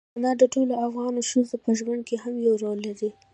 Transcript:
انار د ټولو افغان ښځو په ژوند کې هم یو رول لري.